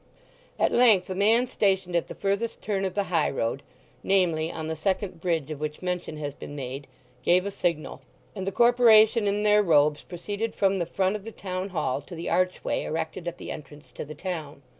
At length a man stationed at the furthest turn of the high road, namely, on the second bridge of which mention has been made, gave a signal, and the Corporation in their robes proceeded from the front of the Town Hall to the archway erected at the entrance to the town.